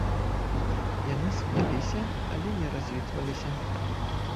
Яны суняліся, але не развітваліся.